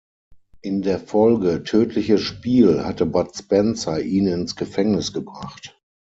In der Folge "Tödliches Spiel" hatte Bud Spencer ihn ins Gefängnis gebracht.